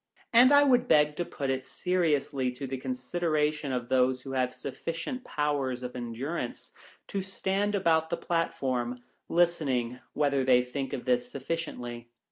And I would beg to put it seriously to the consideration of those who have sufficient powers of endurance to stand about the platform, listening, whether they think of this sufficiently